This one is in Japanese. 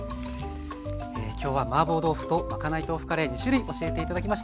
今日はマーボー豆腐とまかない豆腐カレー２種類教えて頂きました。